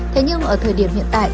thế nhưng ở thời điểm hiện tại